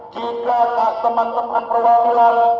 jika teman teman perwakilan